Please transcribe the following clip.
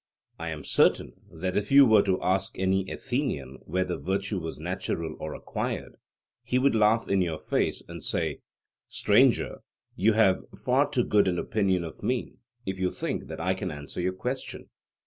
I am certain that if you were to ask any Athenian whether virtue was natural or acquired, he would laugh in your face, and say: 'Stranger, you have far too good an opinion of me, if you think that I can answer your question.